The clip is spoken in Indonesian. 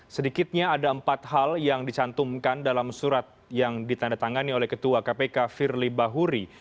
sedikitnya ada empat hal yang dicantumkan dalam surat yang ditandatangani oleh ketua kpk firly bahuri